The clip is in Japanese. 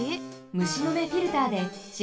むしのめフィルターでし